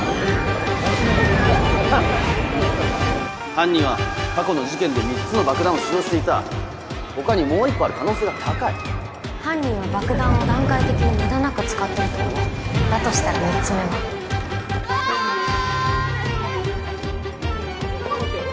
犯人は過去の事件で３つの爆弾を使用して他にもう１個ある可能性が高い犯人は爆弾を段階的に無駄なだとしたら３つ目はゴール！